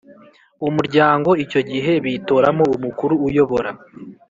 Umuryango icyo gihe bitoramo Umukuru uyobora